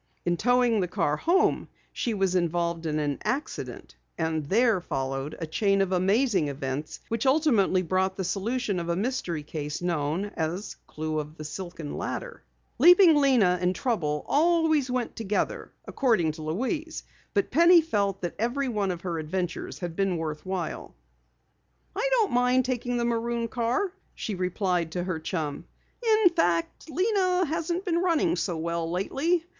In towing the car home she was involved in an accident, and there followed a chain of amazing events which ultimately brought the solution of a mystery case known as Clue of the Silken Ladder. Leaping Lena and trouble always went together, according to Louise, but Penny felt that every one of her adventures had been worth while. "I don't mind taking the maroon car," she replied to her chum. "In fact, Lena hasn't been running so well lately.